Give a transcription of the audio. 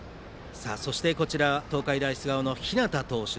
そして、東海大菅生の日當投手。